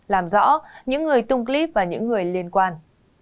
làm rõ những người tung clip và những người liên quan